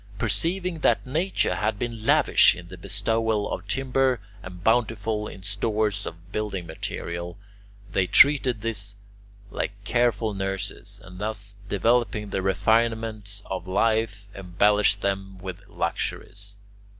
Perceiving that nature had been lavish in the bestowal of timber and bountiful in stores of building material, they treated this like careful nurses, and thus developing the refinements of life, embellished them with luxuries.